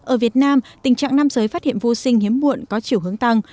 ở việt nam tình trạng nam giới phát hiện vô sinh hiếm muộn có chiều hướng tăng